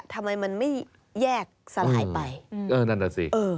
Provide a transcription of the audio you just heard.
ทำไมมันไม่แยกสลายไปเออนั่นน่ะสิเออ